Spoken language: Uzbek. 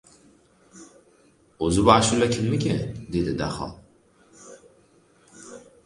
— O‘zi, bu ashula kimniki? — dedi Daho.